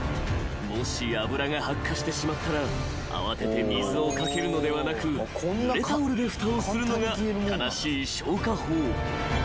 ［もし油が発火してしまったら慌てて水を掛けるのではなくぬれタオルでふたをするのが正しい消火法］